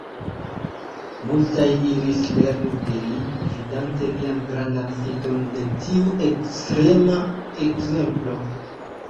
Multaj iris lerni de li, vidante lian grandan fidon de tiu ekstrema ekzemplo.